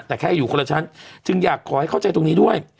แต่แค่อยู่คนละชั้นจึงอยากขอให้เข้าใจตรงนี้ด้วย